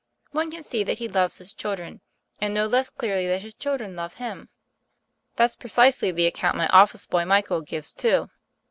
One can see that he loves his children, and no less clearly that his chil dren love him." "That's precisely the account my office boy, Michael, gives, too.